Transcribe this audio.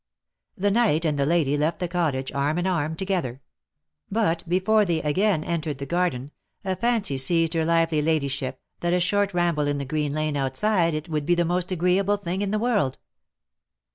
The knight and the lady left the cottage, arm and arm together ; but before they again entered the garden, a fancy seized her lively lady ship, that a short ramble in the green lane outside it would be the most agreeable thing in the world.